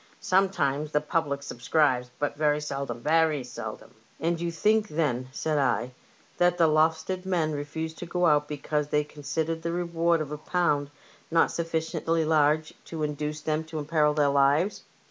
Sometimes the public subscribes, but very seldom — very seldom." " And you think, then," said I, " that the Lowestoft men refused to go out because they considered the reward of a pound not sufficiently large to induce them to imperil their lives